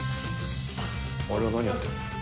あれは何やってんだ？